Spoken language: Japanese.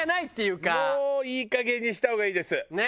もういいかげんにした方がいいです。